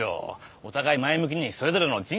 お互い前向きにそれぞれの人生をだな。